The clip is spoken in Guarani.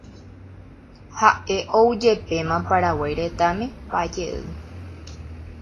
Haʼe oujepéma Paraguay Retãme pa jey.